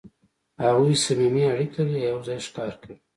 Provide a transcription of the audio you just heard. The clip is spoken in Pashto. هغوی صمیمي اړیکې لري او یو ځای ښکار کوي.